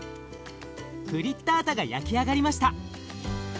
フリッタータが焼き上がりました。